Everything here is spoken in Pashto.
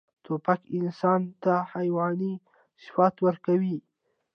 توپک انسان ته حیواني صفات ورکوي.